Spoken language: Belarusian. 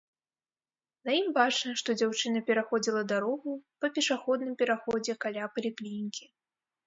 На ім бачна, што дзяўчына пераходзіла дарогу па пешаходным пераходзе каля паліклінікі.